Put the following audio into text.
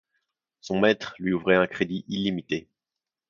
Son maître lui ouvrait un crédit illimité.